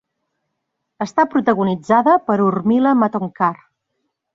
Està protagonitzada per Urmila Matondkar.